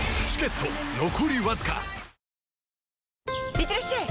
いってらっしゃい！